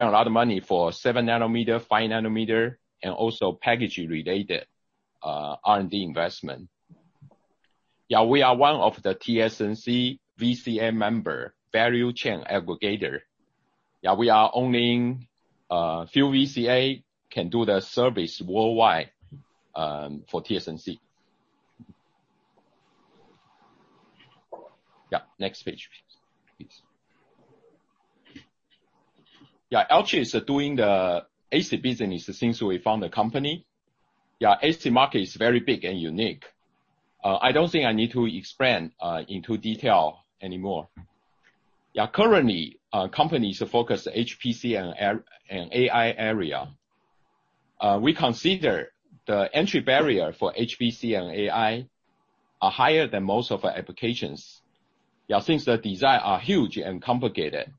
There is money for 7 nm, 5 nm, and also package related R&D investment. We are one of the TSMC VCA member, value chain aggregator. We are only a few VCA can do the service worldwide for TSMC. Next page, please. Alchip is doing the ASIC business since we found the company. ASIC market is very big and unique. I don't think I need to explain into detail anymore. Currently, company is focused HPC and AI area. We consider the entry barrier for HPC and AI are higher than most of our applications. Since the design are huge and complicated.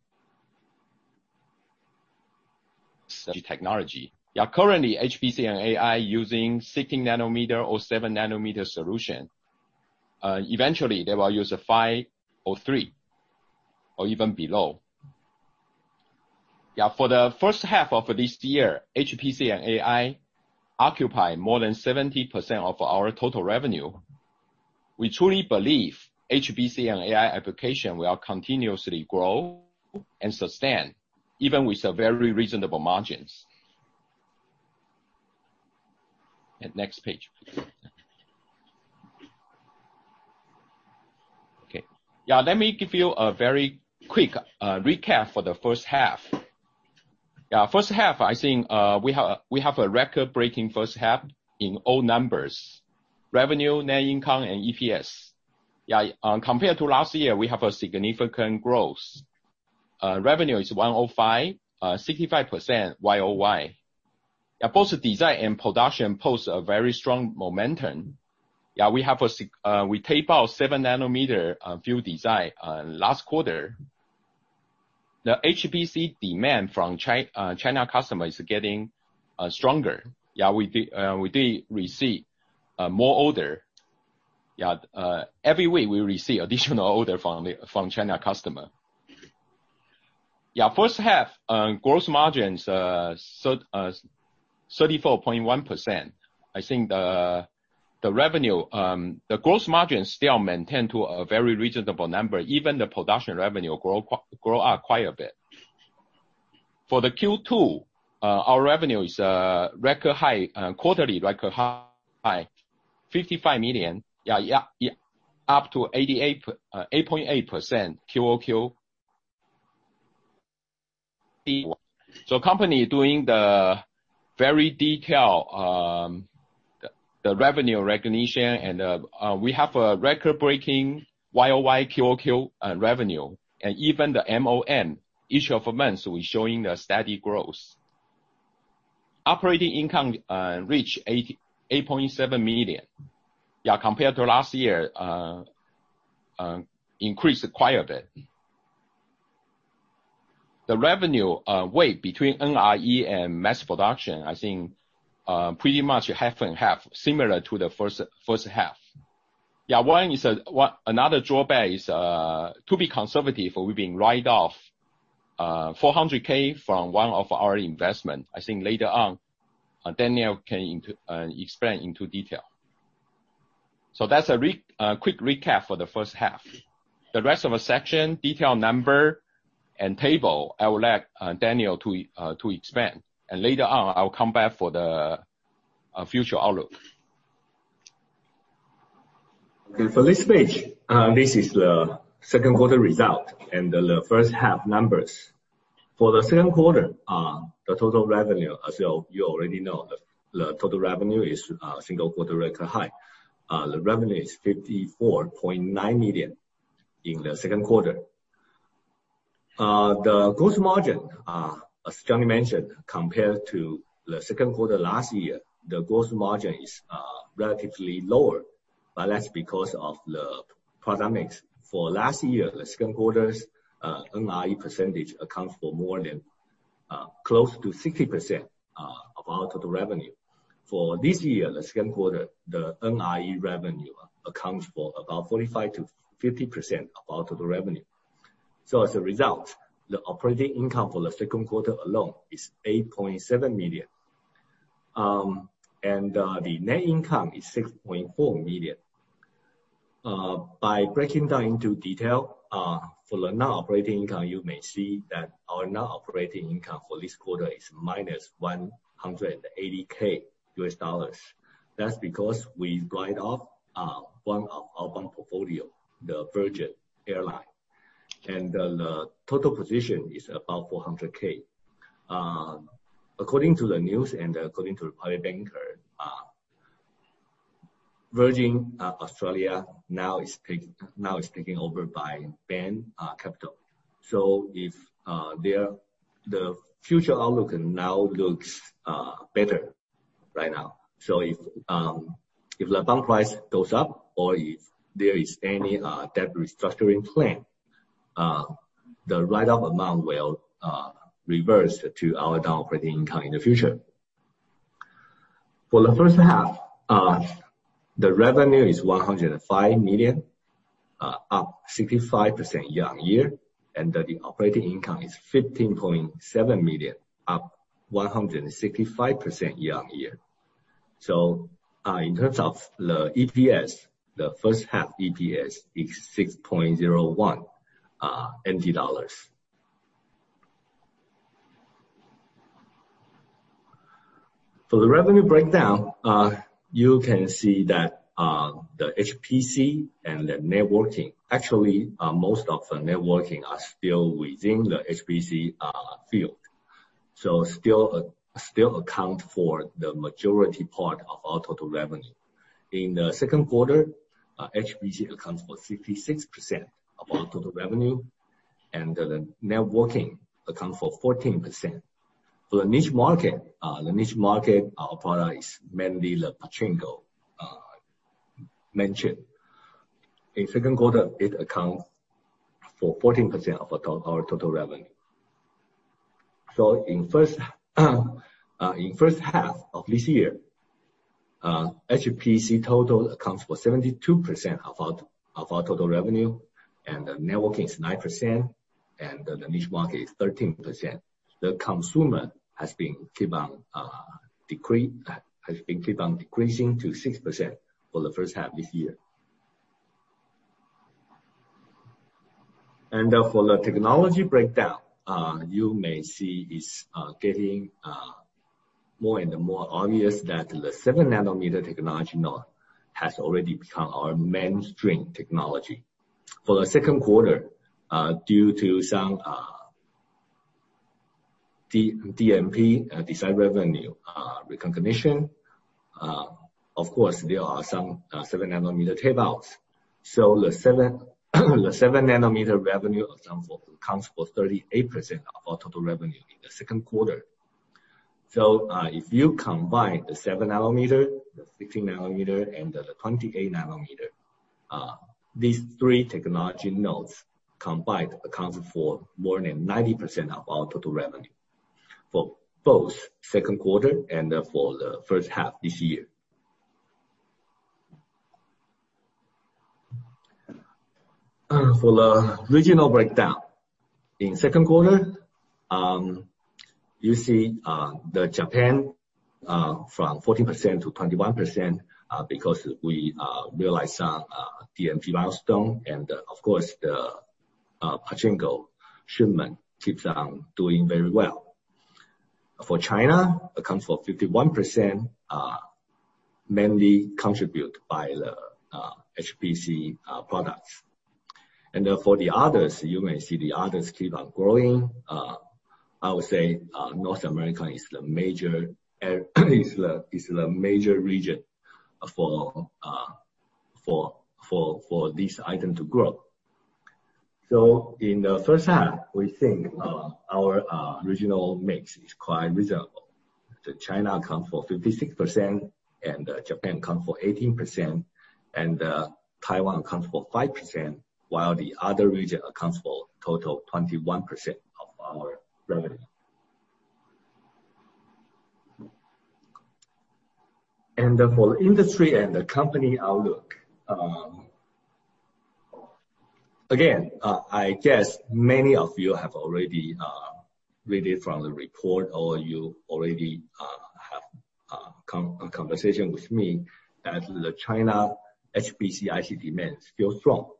Technology. Currently, HPC and AI using 16 nm or 7 nm solution. Eventually, they will use a 5 nm or 3 nm, or even below. For the first half of this year, HPC and AI occupy more than 70% of our total revenue. We truly believe HPC and AI application will continuously grow and sustain, even with very reasonable margins. Next page. Okay. Let me give you a very quick recap for the first half. First half, I think we have a record-breaking first half in all numbers. Revenue, net income, and EPS. Compared to last year, we have a significant growth. Revenue is $105 million, 65% YoY. Both design and production pose a very strong momentum. We tape out 7 nm new design last quarter. The HPC demand from China customer is getting stronger. We did receive more order. Every week we receive additional order from China customer. First half gross margins, 34.1%. I think the revenue, the gross margin still maintain to a very reasonable number, even the production revenue grow out quite a bit. For the Q2, our revenue is record high, quarterly record high, $55 million, yeah, up to 8.8% QoQ. Company doing the very detailed, the revenue recognition, and we have a record-breaking YoY QoQ revenue. Even the MoM, each of months, we're showing the steady growth. Operating income reach $8.7 million. Yeah, compared to last year, increased quite a bit. The revenue weight between NRE and mass production, I think pretty much half and half, similar to the first half. Yeah, another drawback is to be conservative, we've been write off $400,000 from one of our investment. I think later on, Daniel can explain into detail. That's a quick recap for the first half. The rest of the section, detailed number and tape out, I will let Daniel to explain, and later on, I will come back for the future outlook. Okay, for this page, this is the second quarter result and the first half numbers. For the second quarter, the total revenue, as you already know, the total revenue is a single quarter record high. The revenue is $54.9 million in the second quarter. The gross margin, as Johnny mentioned, compared to the second quarter last year, the gross margin is relatively lower. That's because of the product mix. For last year, the second quarter's NRE percentage accounts for more than close to 60% of our total revenue. For this year, the second quarter, the NRE revenue accounts for about 45%-50% of our total revenue. As a result, the operating income for the second quarter alone is $8.7 million. The net income is $6.4 million. By breaking down into detail, for the non-operating income, you may see that our non-operating income for this quarter is -$180,000. That's because we write off one of our bond portfolio, the Virgin Airline. The total position is about $400,000. According to the news and according to the private banker, Virgin Australia now is taken over by Bain Capital. The future outlook now looks better right now. If the bond price goes up or if there is any debt restructuring plan, the write-off amount will reverse to our non-operating income in the future. For the first half, the revenue is $105 million, up 65% year-on-year, and the operating income is $15.7 million, up 165% year-on-year. In terms of the EPS, the first half EPS is 6.01 NT dollars. For the revenue breakdown, you can see that the HPC and the networking, actually, most of the networking are still within the HPC field. Still account for the majority part of our total revenue. In the second quarter, HPC accounts for 66% of our total revenue, and the networking accounts for 14%. For the niche market, our product is mainly the Pachinko machine. In second quarter, it accounts for 14% of our total revenue. In first half of this year, HPC total accounts for 72% of our total revenue, and the networking is 9%, and the niche market is 13%. The consumer has been keep on decreasing to 6% for the first half this year. For the technology breakdown, you may see it's getting more and more obvious that the 7 nm technology now has already become our mainstream technology. For the second quarter, due to some DMP, design revenue recognition, of course, there are some 7 nm tape outs. The 7 nm revenue accounts for 38% of our total revenue in the second quarter. If you combine the 7 nm, the 15 nm, and the 28 nm, these three technology nodes combined account for more than 90% of our total revenue for both second quarter and for the first half this year. For the regional breakdown, in second quarter, you see the Japan from 14% to 21% because we realized some DMP milestone and, of course, the Pachinko shipment keeps on doing very well. For China, accounts for 51%, mainly contribute by the HPC products. For the others, you may see the others keep on growing. I would say North America is the major region for this item to grow. In the first half, we think our regional mix is quite reasonable. The China account for 56%, and Japan account for 18%, and Taiwan accounts for 5%, while the other region accounts for total 21% of our revenue. For industry and the company outlook. Again, I guess many of you have already read it from the report, or you already have conversation with me that the China HPC IC demand is still strong.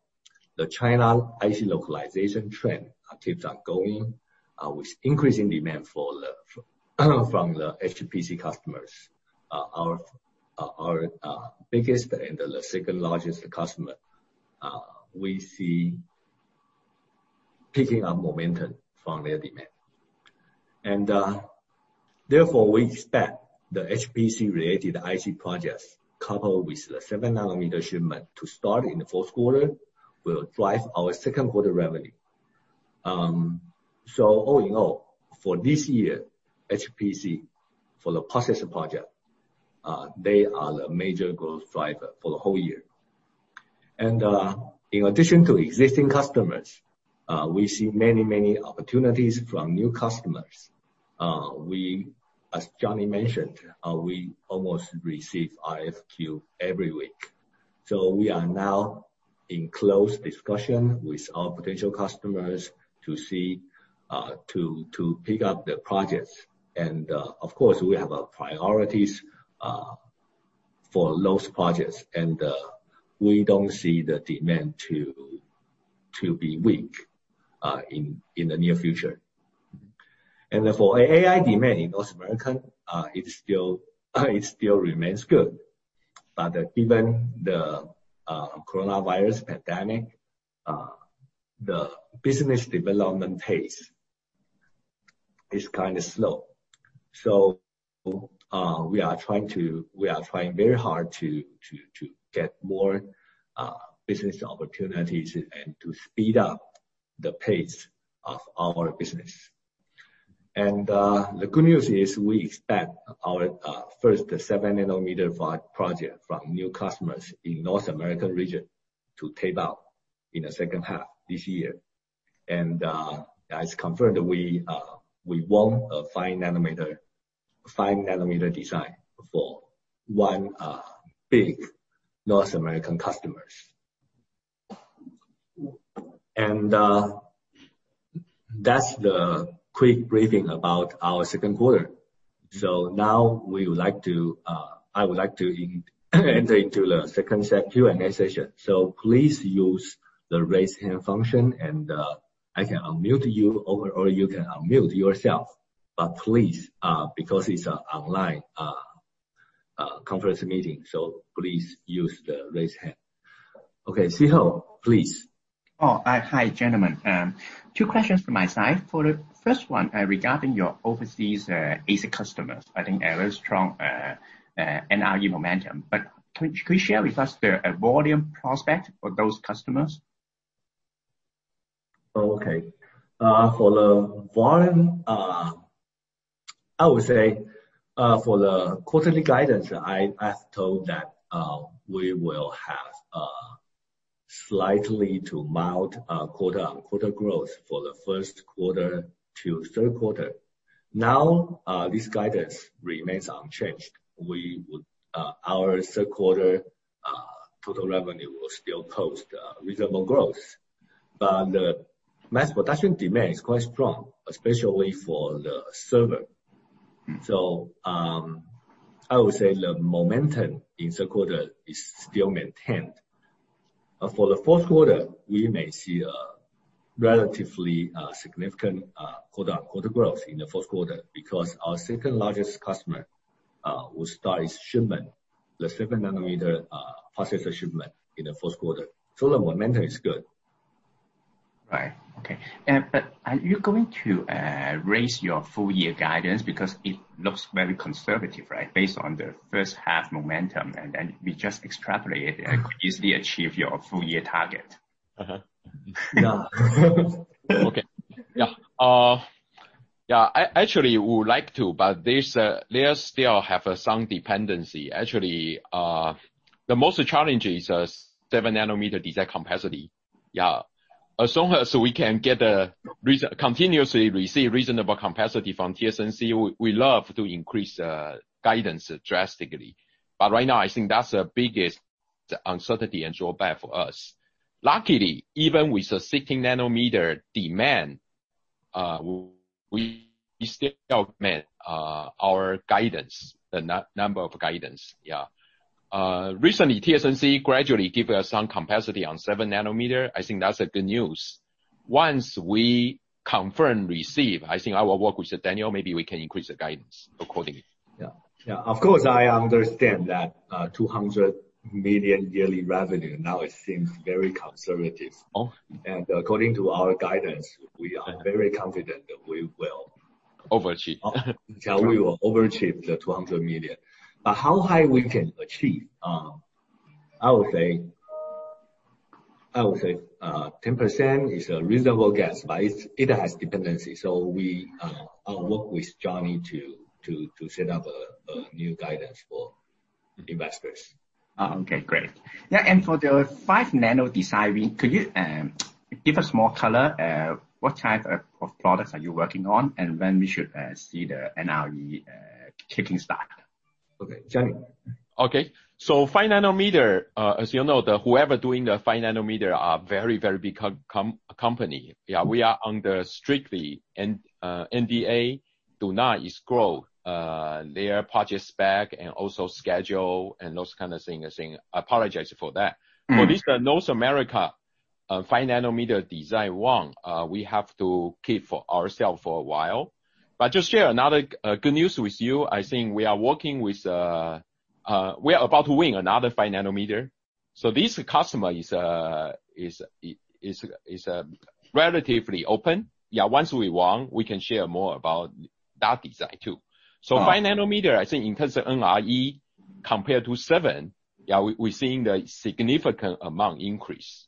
The China IC localization trend keeps on going, with increasing demand from the HPC customers. Our biggest and the second-largest customer, we see picking up momentum from their demand. Therefore, we expect the HPC-related IC projects, coupled with the 7 nm shipment to start in the fourth quarter, will drive our second quarter revenue. All in all, for this year, HPC, for the processor project, they are the major growth driver for the whole year. In addition to existing customers, we see many opportunities from new customers. As Johnny mentioned, we almost receive RFQ every week. We are now in close discussion with our potential customers to pick up the projects, and, of course, we have our priorities for those projects, and we don't see the demand to be weak in the near future. For AI demand in North America, it still remains good. Given the coronavirus pandemic, the business development pace is kind of slow. We are trying very hard to get more business opportunities and to speed up the pace of our business. The good news is we expect our first 7-nm project from new customers in North America region to tape out in the second half this year. As confirmed, we won a 5-nm design for one big North American customer. That's the quick briefing about our second quarter. Now, I would like to enter into the second set Q&A session. Please use the raise hand function and I can unmute you, or you can unmute yourself. Please, because it's an online conference meeting, please use the raise hand. Okay, Szeho, please. Oh, hi gentlemen. Two questions from my side. For the first one, regarding your overseas ASIC customers, I think a very strong NRE momentum. Could you share with us the volume prospect for those customers? Okay. For the volume, I would say, for the quarterly guidance, I told that we will have slightly to mild quarter-on-quarter growth for the first quarter to third quarter. This guidance remains unchanged. Our third quarter total revenue will still post reasonable growth, mass production demand is quite strong, especially for the server. I would say the momentum in second quarter is still maintained. For the fourth quarter, we may see a relatively significant quarter-on-quarter growth in the fourth quarter, because our second largest customer will start its shipment, the 7 nm processor shipment, in the fourth quarter. The momentum is good. Right, okay. Are you going to raise your full-year guidance? Because it looks very conservative, right, based on the first half momentum, and then we just extrapolate and could easily achieve your full-year target. Yeah. Okay. Yeah. Actually, we would like to, but they still have some dependency. Actually, the most challenging is 7 nm design capacity. As soon as we can continuously receive reasonable capacity from TSMC, we love to increase guidance drastically. Right now, I think that's the biggest uncertainty and drawback for us. Luckily, even with the 16 nm demand, we still met our guidance, the number of guidance, yeah. Recently, TSMC gradually give us some capacity on 7 nm. I think that's a good news. Once we confirm receive, I think I will work with Daniel, maybe we can increase the guidance accordingly. Yeah. Of course, I understand that $200 million yearly revenue now it seems very conservative. Oh. According to our guidance, we are very confident that we. Overachieve. Yeah, we will overachieve the $200 million. How high we can achieve? I would say 10% is a reasonable guess, but it has dependency. We work with Johnny to set up a new guidance for investors. Okay, great. Yeah, and for the 5 nm design win, could you give us more color? What type of products are you working on, and when we should see the NRE kicking start? Okay, Johnny. Okay. 5 nm, as you know, whoever doing the 5 nm are very big company. Yeah, we are under strictly NDA. Do not disclose their project spec and also schedule and those kind of things. I apologize for that. For this North America 5 nm design won, we have to keep for ourselves for a while. Just share another good news with you. I think we are about to win another 5 nm. This customer is relatively open. Yeah, once we won, we can share more about that design, too. 5 nm, I think in terms of NRE compared to 7 nm, yeah, we're seeing the significant amount increase.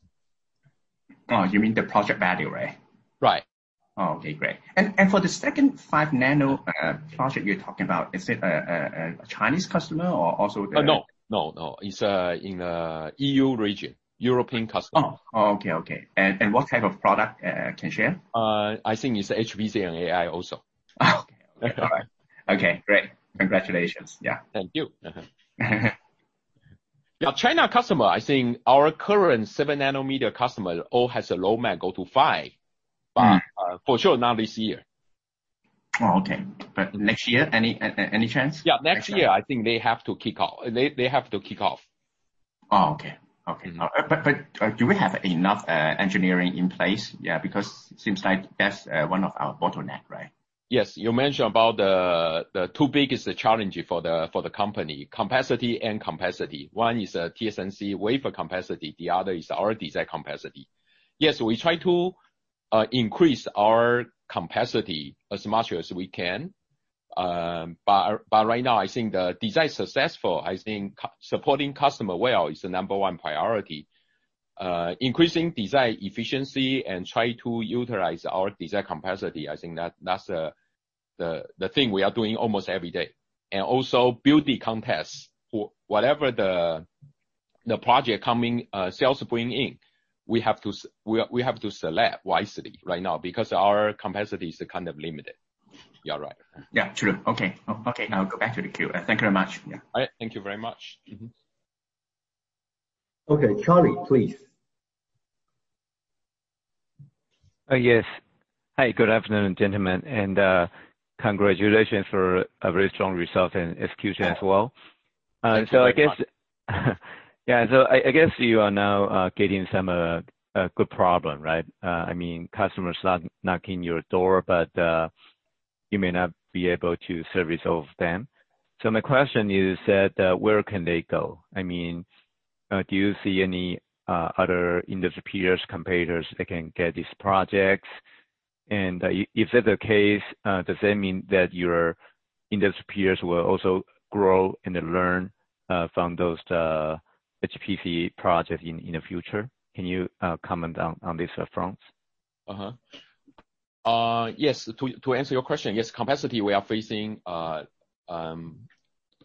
Oh, you mean the project value, right? Right. Okay, great. For the second 5 nm project you're talking about, is it a Chinese customer or also? No. It's in the EU region. European customer. Oh, okay. What type of product can you share? I think it's HPC and AI also. Oh, okay. All right. Okay, great. Congratulations, yeah. Thank you. China customer, I think our current 7 nm customer all has a roadmap go to 5 nm. For sure not this year. Oh, okay. Next year, any chance? Yeah, next year, I think they have to kick off. Oh, okay. Do we have enough engineering in place, yeah? It seems like that's one of our bottleneck, right? Yes. You mentioned about the two biggest challenge for the company, capacity and capacity. One is a TSMC wafer capacity, the other is our design capacity. Yes, we try to increase our capacity as much as we can. Right now, I think the design successful, I think supporting customer well is the number one priority. Increasing design efficiency and try to utilize our design capacity, I think that's the thing we are doing almost every day. Also build the contest for whatever the project sales bring in, we have to select wisely right now because our capacity is limited. You are right. Yeah, true. Okay. Now go back to the queue. Thank you very much. Yeah. All right. Thank you very much. Mm-hmm. Okay, Charlie, please. Yes. Hi, good afternoon, gentlemen. Congratulations for a very strong result and execution as well. Thank you very much. Yeah, I guess you are now getting some good problem, right? I mean, customers start knocking your door, but you may not be able to service all of them. My question is that where can they go? I mean, do you see any other industry peers, competitors that can get these projects? If that's the case, does that mean that your industry peers will also grow and learn from those HPC projects in the future? Can you comment on this front? Yes, to answer your question, yes, capacity we are facing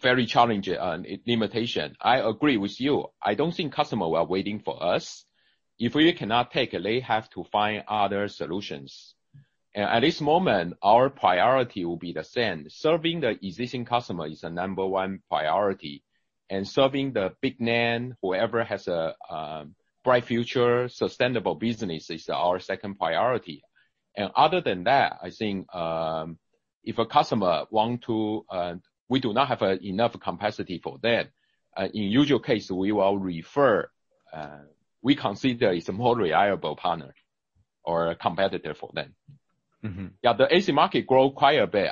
very challenging limitation. I agree with you. I don't think customer were waiting for us. If we cannot take, they have to find other solutions. At this moment, our priority will be the same. Serving the existing customer is the number one priority. Serving the big NAM, whoever has a bright future, sustainable business is our second priority. Other than that, I think if a customer want to, we do not have enough capacity for them. In usual case, we will refer, we consider is a more reliable partner or a competitor for them. Yeah. The ASIC market grow quite a bit.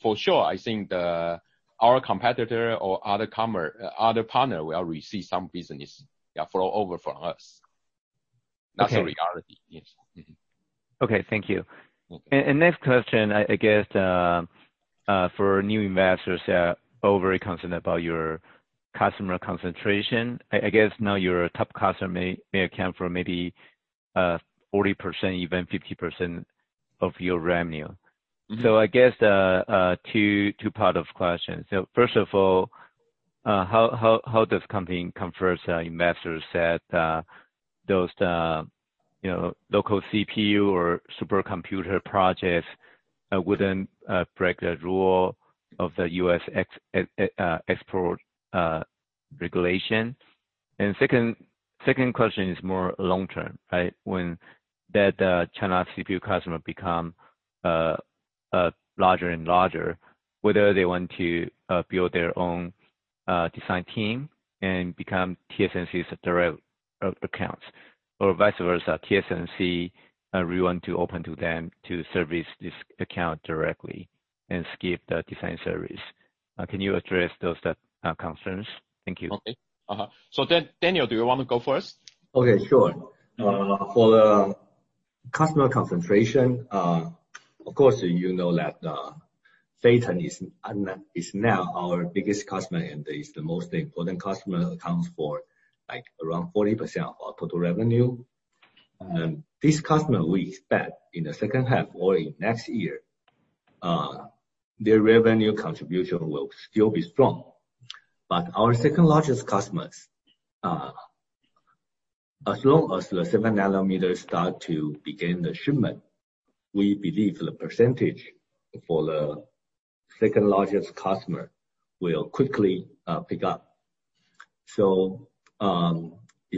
For sure, I think our competitor or other partner will receive some business, yeah, flow over from us. Okay. That's the reality. Yes. Mm-hmm. Okay, thank you. Okay. Next question, I guess, for new investors that are all very concerned about your customer concentration. I guess now your top customer may account for maybe 40%, even 50% of your revenue. I guess two part of question. First of all, how does company convince investors that those local CPU or supercomputer projects wouldn't break the rule of the U.S. export regulation? Second question is more long-term, right, when that China CPU customer become larger and larger, whether they want to build their own design team and become TSMC's direct accounts? Vice versa, TSMC really want to open to them to service this account directly and skip the design service. Can you address those concerns? Thank you. Okay. Daniel, do you want to go first? Okay, sure. For the customer concentration, of course you know that Phytium is now our biggest customer and is the most important customer, accounts for around 40% of our total revenue. This customer, we expect in the second half or in next year, their revenue contribution will still be strong. Our second-largest customers, as long as the 7 nm start to begin the shipment, we believe the percentage for the second-largest customer will quickly pick up. If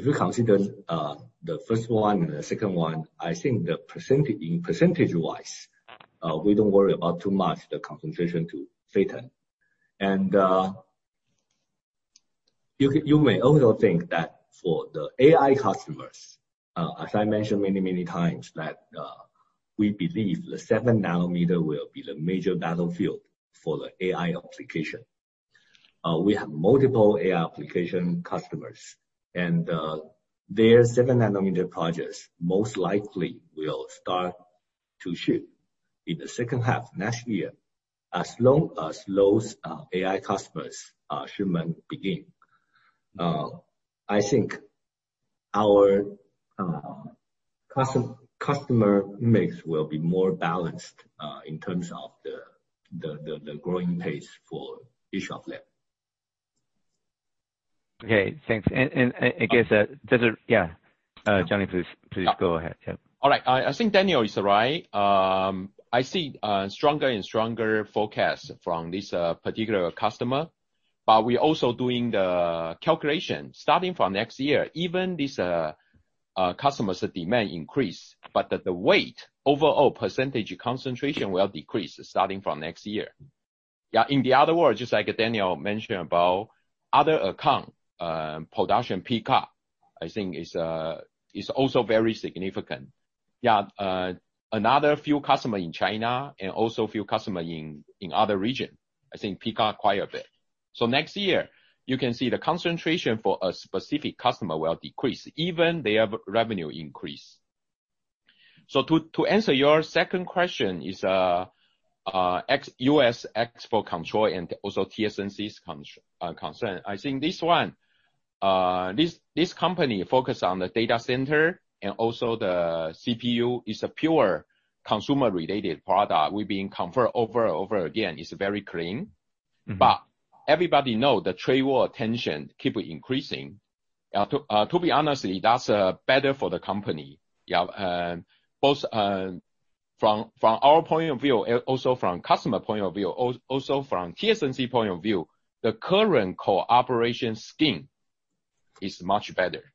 you consider the first one and the second one, I think the percentage-wise, we don't worry about too much the concentration to Phytium. You may also think that for the AI customers, as I mentioned many times, that we believe the 7 nm will be the major battlefield for the AI application. We have multiple AI application customers and their 7 nm projects most likely will start to ship in the second half next year. As long as those AI customers' shipment begin, I think our customer mix will be more balanced in terms of the growing pace for each of them. Okay, thanks. I guess, Johnny, please go ahead. Yep. All right. I think Daniel is right. I see stronger and stronger forecast from this particular customer, but we're also doing the calculation starting from next year. Even this customer's demand increase, but the weight, overall percentage concentration will decrease starting from next year. Yeah, in the other words, just like Daniel mentioned about other account, production peak up I think is also very significant. Yeah. Another few customer in China and also a few customer in other region, I think peak up quite a bit. Next year, you can see the concentration for a specific customer will decrease even their revenue increase. To answer your second question is U.S. export control and also TSMC's concern. I think This company focus on the data center and also the CPU is a pure consumer-related product. We've been confirmed over and over again, it's very clean. Everybody know the trade war tension keep increasing. To be honest, that's better for the company. From our point of view, and also from customer point of view, also from TSMC point of view, the current cooperation scheme is much better.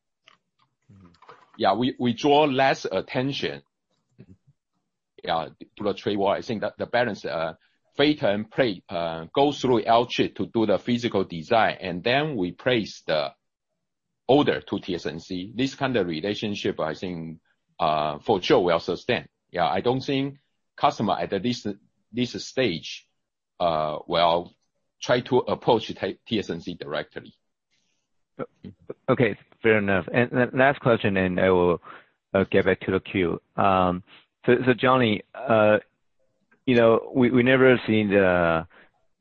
Yeah. We draw less attention to the trade war. I think that the balance, Phytium plate go through Alchip to do the physical design, and then we place the order to TSMC. This kind of relationship, I think, for sure will sustain. I don't think customer at this stage will try to approach TSMC directly. Okay, fair enough. Last question, I will get back to the queue. Johnny, we never seen the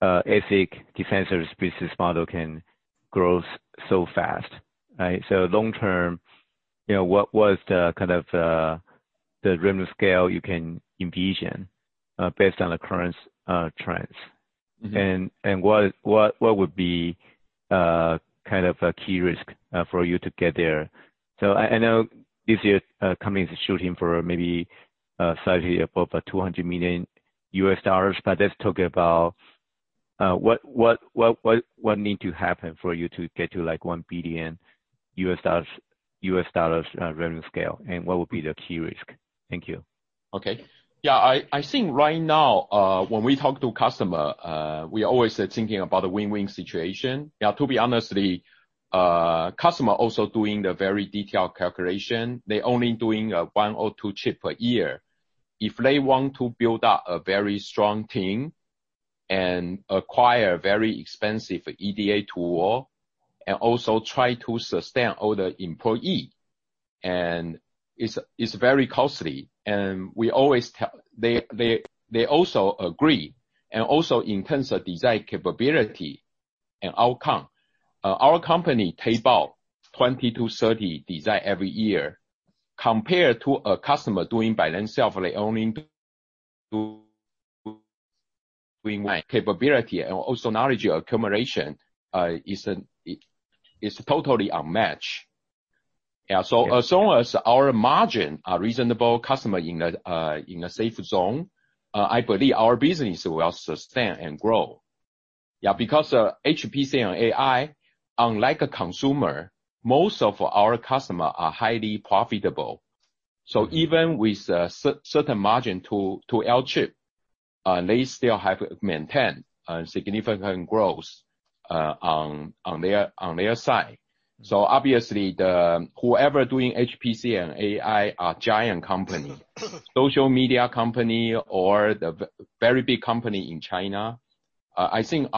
ASIC defensive business model can grow so fast. Right? Long term, what was the kind of the revenue scale you can envision based on the current trends? What would be a key risk for you to get there? I know this year company is shooting for maybe slightly above $200 million. Let's talk about what need to happen for you to get to $1 billion revenue scale. What would be the key risk? Thank you. Okay. Yeah, I think right now, when we talk to customer, we are always thinking about the win-win situation. To be honest, customer also doing the very detailed calculation. They're only doing one or two chip per year. If they want to build out a very strong team and acquire very expensive EDA tool, also try to sustain all the employee, it's very costly. They also agree. Also in terms of design capability and outcome, our company takes about 20-30 design every year. Compared to a customer doing by themself, they only do capability and also knowledge accumulation, it's totally a match. Yeah. Okay. As long as our margins are reasonable, customers in a safe zone, I believe our business will sustain and grow. Because HPC and AI, unlike a consumer, most of our customers are highly profitable. Even with certain margins to Alchip, they still have maintained a significant growth on their side. Obviously whoever doing HPC and AI are giant companies. Social media companies or the very big companies in China, I think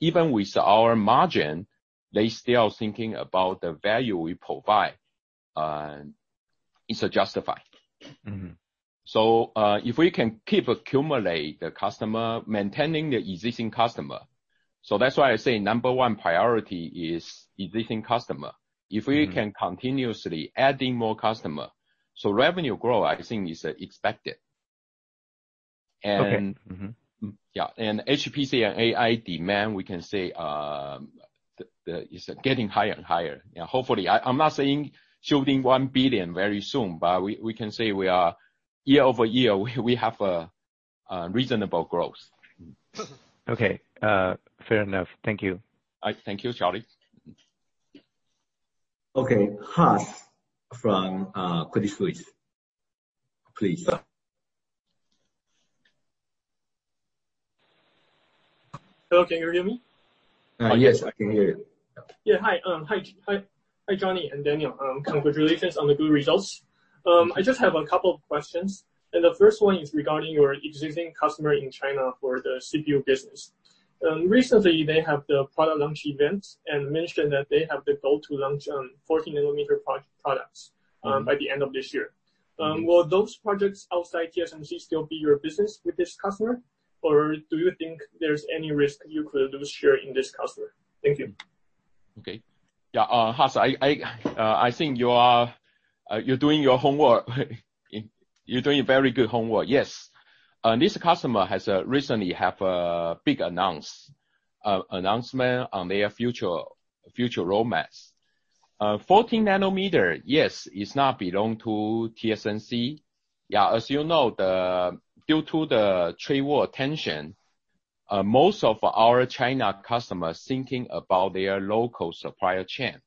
even with our margins, they're still thinking about the value we provide. It's justified. If we can keep accumulate the customer, maintaining the existing customer. That's why I say number one priority is existing customer. If we can continuously adding more customer, revenue growth, I think, is expected. Okay. Mm-hmm. Yeah. HPC and AI demand, we can say, is getting higher and higher. Hopefully. I'm not saying shooting $1 billion very soon, but we can say year-over-year, we have a reasonable growth. Okay. Fair enough. Thank you. Thank you, Charlie. Okay, Haas from Credit Suisse. Please. Hello, can you hear me? Yes, I can hear you. Yeah. Hi, Johnny and Daniel. Congratulations on the good results. I just have a couple of questions. The first one is regarding your existing customer in China for the CPU business. Recently, they have the product launch event and mentioned that they have the goal to launch on 14 nm products by the end of this year. Will those projects outside TSMC still be your business with this customer? Or do you think there is any risk you could lose share in this customer? Thank you. Okay. Yeah, Haas, I think you're doing your homework. You're doing very good homework. Yes. This customer has recently have a big announcement on their future roadmaps. 14 nm, yes, it's not belong to TSMC. As you know, due to the trade war tension, most of our China customers thinking about their local supplier chain.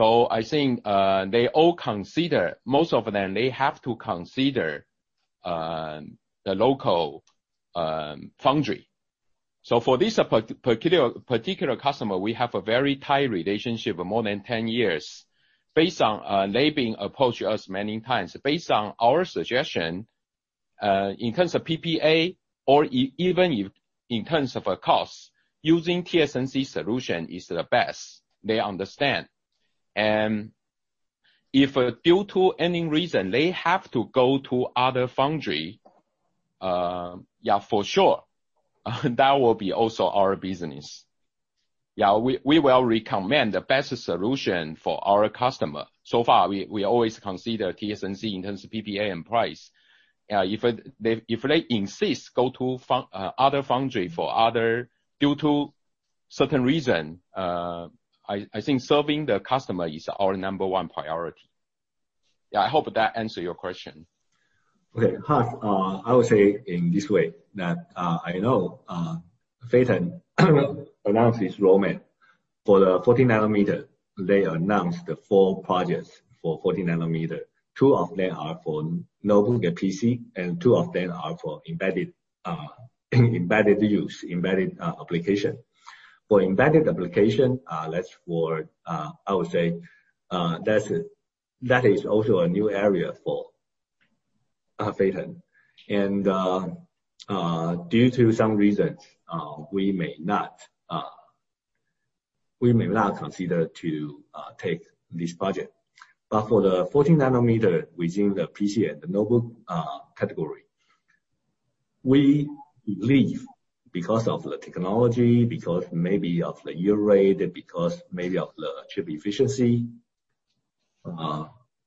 I think most of them, they have to consider the local foundry. For this particular customer, we have a very tight relationship of more than 10 years. They've been approach us many times. Based on our suggestion, in terms of PPA or even in terms of cost, using TSMC solution is the best. They understand. If due to any reason, they have to go to other foundry, for sure, that will be also our business. We will recommend the best solution for our customer. So far, we always consider TSMC in terms of PPA and price. If they insist go to other foundry for other due to certain reason, I think serving the customer is our number one priority. I hope that answered your question. Okay. I would say in this way, that I know, Phytium announced its roadmap. For the 14 nm, they announced the four projects for 14 nm. Two of them are for notebook PC, and two of them are for embedded use, embedded application. For embedded application, I would say, that is also a new area for Phytium, and due to some reasons, we may not consider to take this project. For the 14 nm within the PC and the notebook category, we believe because of the technology, because maybe of the yield rate, because maybe of the chip efficiency,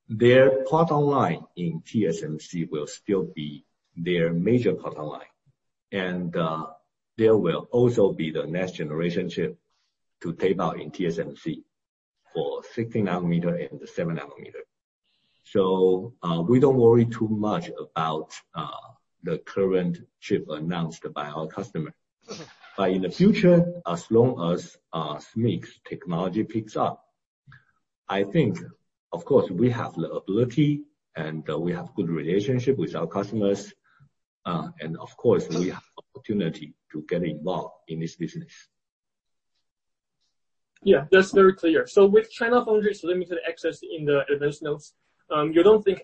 their bottom line in TSMC will still be their major bottom line. There will also be the next generation chip to tape out in TSMC for 16 nm and 7 nm. We don't worry too much about the current chip announced by our customer. In the future, as long as SMIC's technology picks up, I think, of course, we have the ability and we have good relationship with our customers, and of course, we have opportunity to get involved in this business. Yeah. That's very clear. With Chinese foundries limited access in the advanced nodes,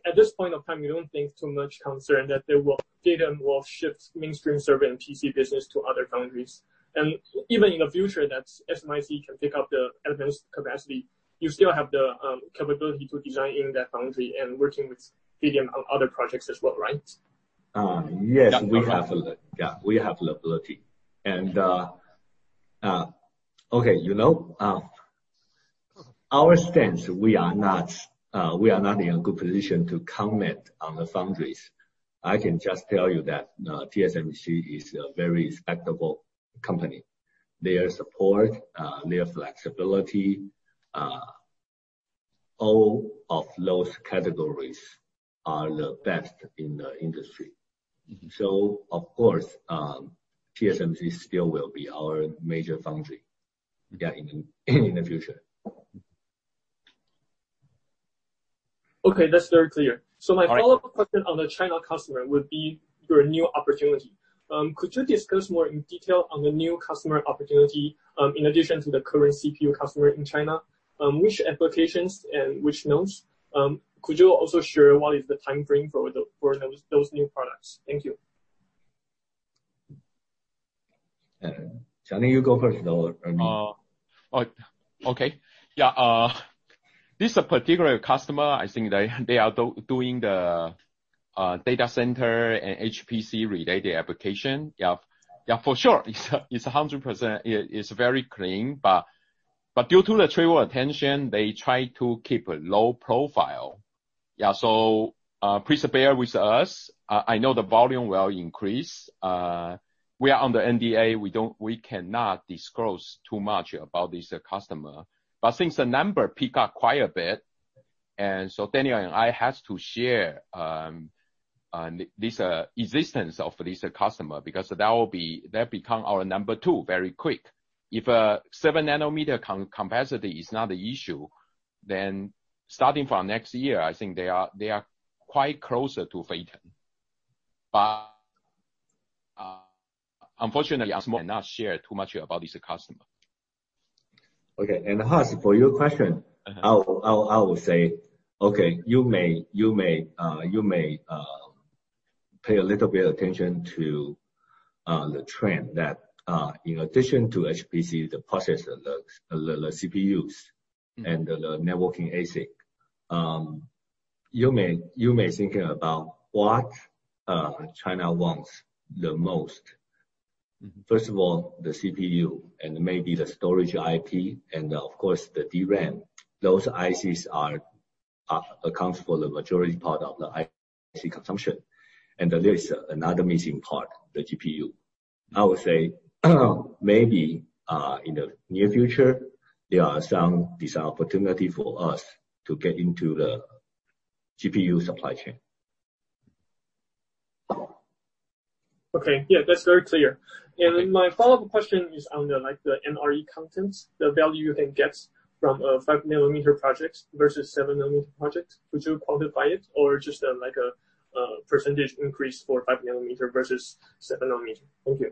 at this point of time, you don't think too much concern that Phytium will shift mainstream server and PC business to other foundries. Even in the future, that SMIC can pick up the advanced capacity, you still have the capability to design in that foundry and working with Phytium on other projects as well, right? Yes. Yeah. We have the ability. Our stance, we are not in a good position to comment on the foundries. I can just tell you that TSMC is a very respectable company. Their support, their flexibility, all of those categories are the best in the industry. Of course, TSMC still will be our major foundry in the future. Okay, that's very clear. All right. My follow-up question on the China customer would be your new opportunity. Could you discuss more in detail on the new customer opportunity, in addition to the current CPU customer in China? Which applications and which nodes? Could you also share what is the timeframe for those new products? Thank you. Johnny, you go first. This particular customer, I think they are doing the data center and HPC related application. For sure, it's 100%, it's very clean, but due to the trade war tension, they try to keep a low profile. Please bear with us. I know the volume will increase. We are under NDA, we cannot disclose too much about this customer. Since the number pick up quite a bit, and so Daniel and I have to share this existence of this customer, because that become our number two very quick. If 7 nm capacity is not the issue, then starting from next year, I think they are quite closer to Phytium. Unfortunately, I cannot share too much about this customer. Okay, Haas, for your question, I will say, you may pay a little bit attention to the trend that, in addition to HPC, the processor, the CPUs and the networking ASIC. You may think about what China wants the most. First of all, the CPU and maybe the storage IP and, of course, the DRAM. Those ICs accounts for the majority part of the IC consumption. There is another missing part, the GPU. I would say, maybe in the near future, there are some opportunity for us to get into the GPU supply chain. My follow-up question is on the NRE content, the value you can get from a 5 nm project versus 7 nm project. Could you quantify it or just like a % increase for 5 nm versus 7 nm? Thank you.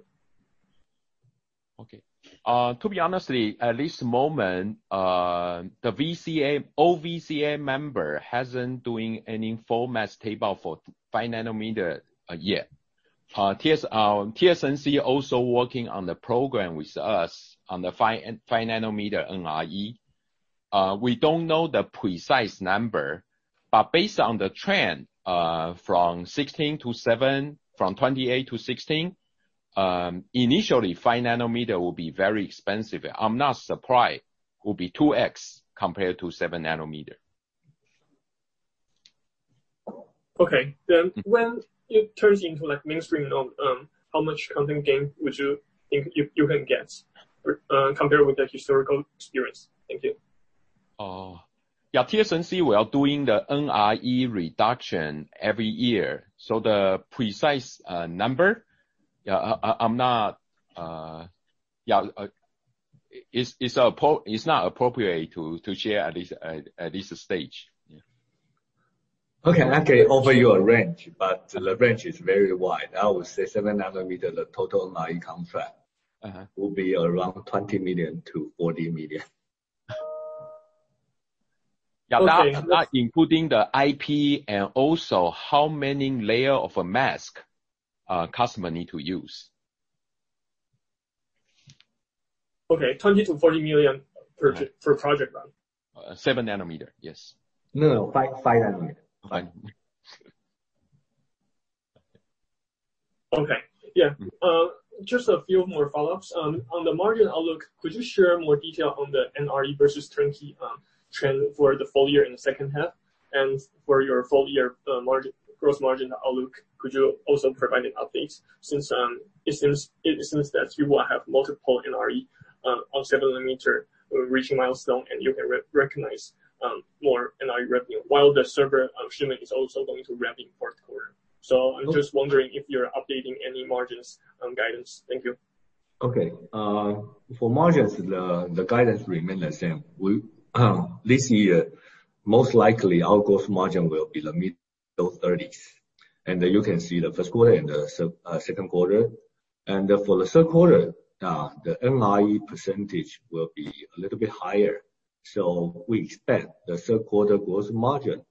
Okay. To be honestly, at this moment, the old VCA member hasn't doing any full mask table for 5 nm yet. TSMC also working on the program with us on the five 5 nm NRE. We don't know the precise number, but based on the trend, from 17-7, from 28-16, initially, 5 nm will be very expensive. I'm not surprised it will be 2x compared to 7 nm. Okay. When it turns into mainstream, how much content gain would you think you can get, compared with the historical experience? Thank you. TSMC, we are doing the NRE reduction every year. The precise number, it's not appropriate to share at this stage. Okay. I can offer you a range, but the range is very wide. I would say 7 nm, the total NRE contract will be around $20 million-$40 million. Okay. Yeah. That, including the IP and also how many layer of a mask customer need to use. Okay. $20 million-$40 million for project run. 7 nm. Yes. No, 5 nm. 5 nm. Okay. Yeah. Just a few more follow-ups. On the margin outlook, could you share more detail on the NRE versus turnkey trend for the full year in the second half? For your full year gross margin outlook, could you also provide an update, since it seems that you will have multiple NRE on 7 nm reaching milestone, and you can recognize more NRE revenue while the server shipment is also going to ramp in fourth quarter. I'm just wondering if you're updating any margins guidance. Thank you. Okay. For margins, the guidance remains the same. This year, most likely, our gross margin will be the mid-30%s. You can see the first quarter and the second quarter. For the third quarter, the NRE percentage will be a little bit higher. We expect the third quarter gross margin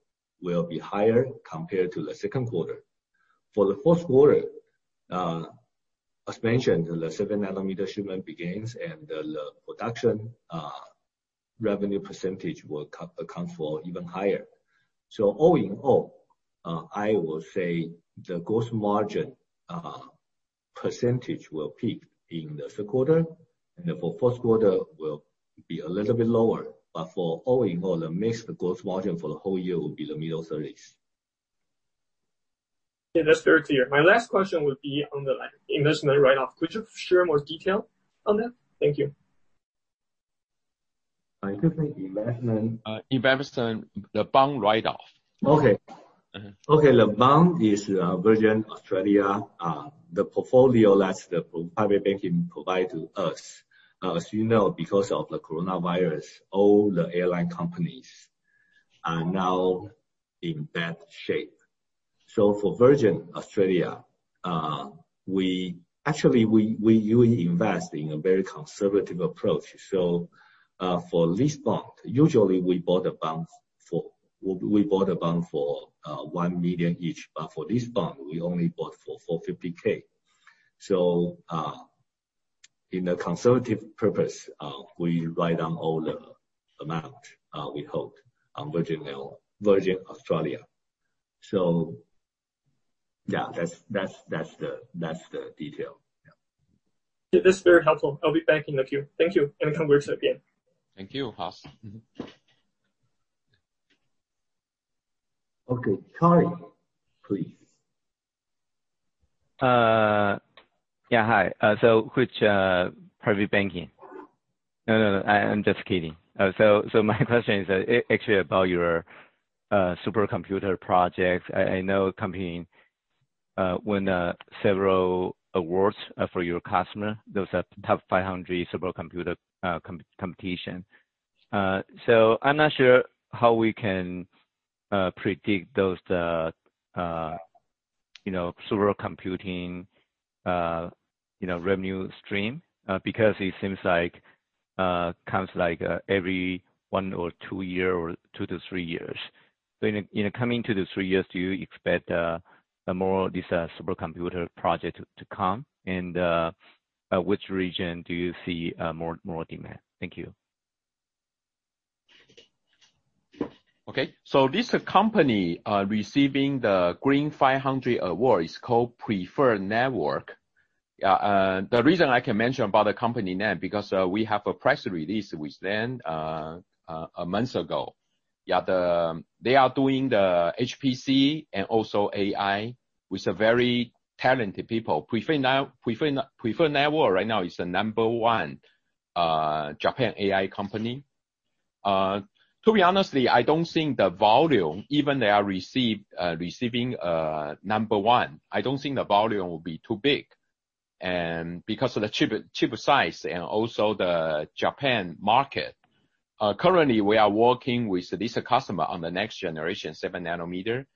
will be higher compared to the second quarter. For the fourth quarter, as mentioned, the 7-nm shipment begins, and the production revenue percentage will account for even higher. All in all, I will say the gross margin percentage will peak in the third quarter. For fourth quarter, will be a little bit lower. For all in all, the mixed gross margin for the whole year will be the mid-30%s. Yeah, that's very clear. My last question would be on the investment write-off. Could you share more detail on that? Thank you. Investment- Investment, the bond write-off. The bond is Virgin Australia, the portfolio that the private banking provide to us. As you know, because of the coronavirus, all the airline companies are now in bad shape. For Virgin Australia, actually, we invest in a very conservative approach. For this bond, usually we bought a bond for $1 million each, but for this bond, we only bought for $450,000. In a conservative purpose, we write down all the amount we hold on Virgin Australia. Yeah, that's the detail. Yeah. That's very helpful. I'll be back in the queue. Thank you, and come back again. Thank you, Haas. Okay, Charlie. Please. Yeah, hi. Which private banking? No, I'm just kidding. My question is actually about your supercomputer project. I know a company won several awards for your customer. Those are TOP500 supercomputer competition. I'm not sure how we can predict those supercomputing revenue stream, because it seems like comes every one or two year, or two to three year. In coming to the three years, do you expect more of this supercomputer project to come? Which region do you see more demand? Thank you. Okay. This company receiving the Green500 award is called Preferred Networks. The reason I can mention about the company name because we have a press release we sent months ago. Yeah, they are doing the HPC and also AI with very talented people. Preferred Networks right now is the number one Japan AI company. To be honest, even they are receiving number one, I don't think the volume will be too big. Because of the chip size and also the Japan market, currently we are working with this customer on the next generation 7 nm.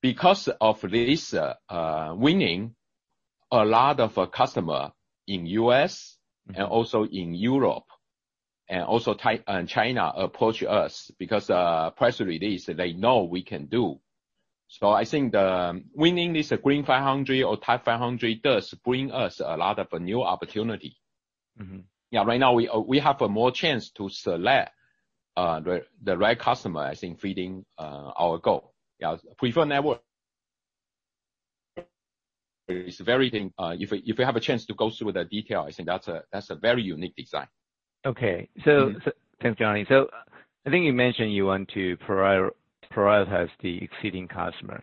Because of this winning. A lot of our customers in the U.S. and also in Europe, and also China approach us because press release, they know we can do. I think winning this Green500 or TOP500 does bring us a lot of new opportunity. Yeah, right now we have more chance to select the right customer, I think, fitting our goal. Yeah. Preferred Networks. If you have a chance to go through the detail, I think that's a very unique design. Okay. Thanks, Johnny. I think you mentioned you want to prioritize the existing customer.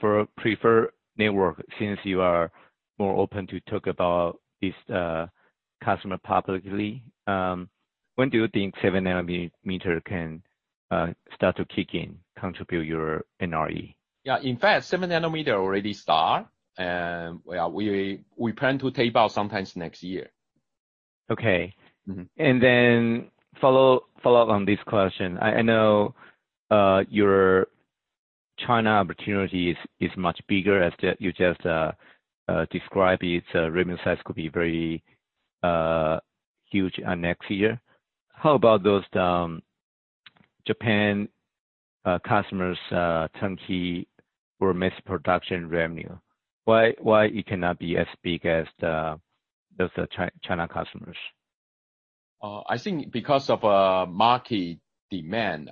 For Preferred Networks, since you are more open to talk about this customer publicly, when do you think 7 nm can start to kick in, contribute your NRE? Yeah, in fact, 7 nm already started. We plan to tape out sometimes next year. Okay. Follow up on this question. I know your China opportunity is much bigger as you just described it. Revenue size could be very huge next year. How about those Japan customers, turnkey or mass production revenue? Why it cannot be as big as those China customers? I think because of market demand.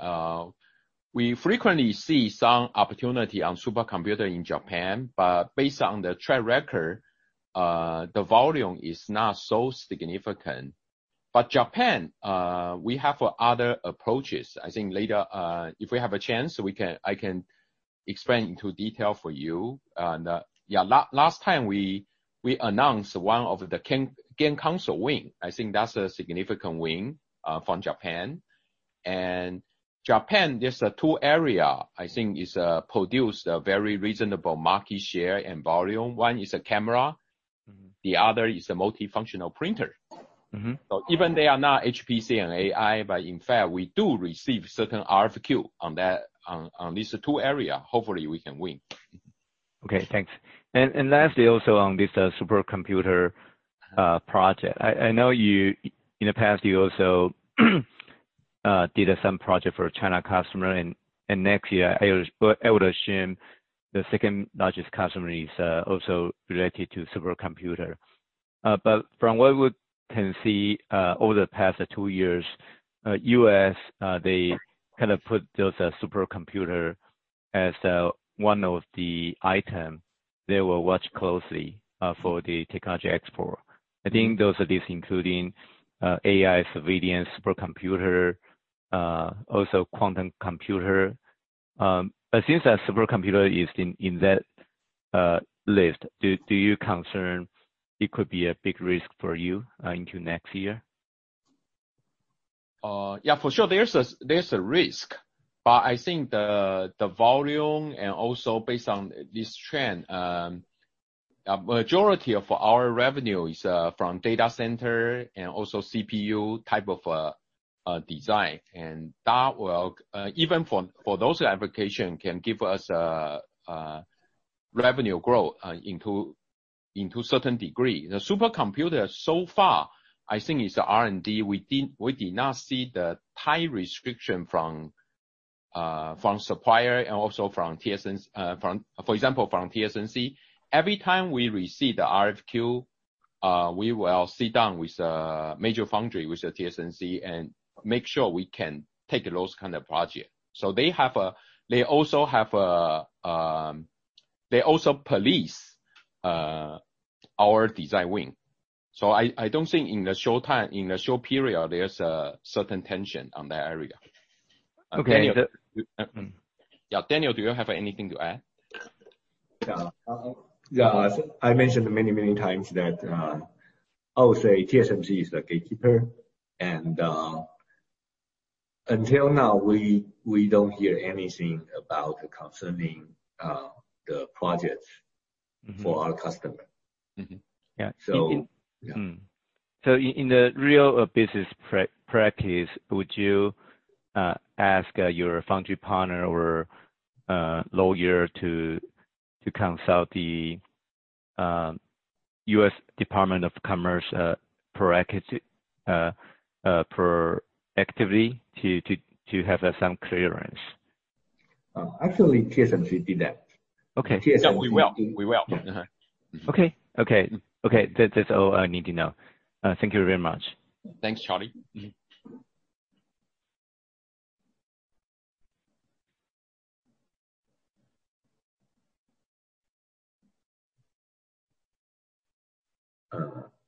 We frequently see some opportunity on supercomputer in Japan, but based on the track record, the volume is not so significant. Japan, we have other approaches. I think later, if we have a chance, I can explain into detail for you. Last time, we announced one of the game console win. I think that's a significant win from Japan. Japan, there's two area, I think, it produce a very reasonable market share and volume. One is camera, the other is multifunctional printer. Even they are not HPC and AI, but in fact, we do receive certain RFQ on these two areas. Hopefully, we can win. Okay, thanks. Lastly, also on this supercomputer project. I know, in the past, you also did some project for a Phytium customer. Next year, I would assume the second-largest customer is also related to supercomputer. From what we can see over the past two years, U.S., they put those supercomputer as one of the item they will watch closely for the technology export. I think those are including AI, surveillance, supercomputer, also quantum computer. Since that supercomputer is in that list, do you concern it could be a big risk for you into next year? Yeah, for sure, there's a risk. I think the volume and also based on this trend, majority of our revenue is from data center and also CPU type of design. Even for those application can give us revenue growth into certain degree. The supercomputer, so far, I think is R&D. We did not see the tight restriction from supplier and also, for example, from TSMC. Every time we receive the RFQ, we will sit down with major foundry, with TSMC, and make sure we can take those kind of project. They also police our design win. I don't think in the short period, there's a certain tension on that area. Okay. Yeah, Daniel, do you have anything to add? Yeah. I mentioned many times that I would say TSMC is the gatekeeper. Until now, we don't hear anything about concerning the projects for our customer. Mm-hmm. Yeah. Yeah. In the real business practice, would you ask your foundry partner or lawyer to consult the U.S. Department of Commerce proactively to have some clearance? Actually, TSMC did that. Okay. Yeah, we will. Okay. That's all I need to know. Thank you very much. Thanks, Charlie.